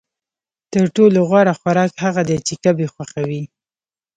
تر ټولو غوره خوراک هغه دی چې کب یې خوښوي